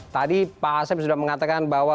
tadi pak asep sudah mengatakan bahwa